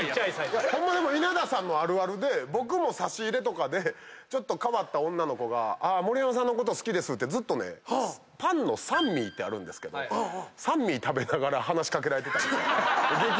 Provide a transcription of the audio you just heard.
ホンマでも稲田さんのあるあるで僕も差し入れでちょっと変わった女の子が「盛山さんのこと好きです」ってずっとねパンのサンミーってあるんですけどサンミー食べながら話し掛けられてた。